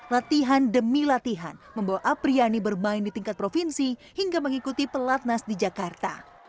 latihan demi latihan membawa apriyani bermain di tingkat provinsi hingga mengikuti pelatnas di jakarta